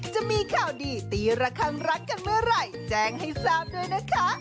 จะมีข่าวดีตีระคังรักกันเมื่อไหร่แจ้งให้ทราบด้วยนะคะ